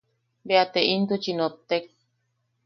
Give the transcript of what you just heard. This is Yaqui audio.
Bea te intuchi notek.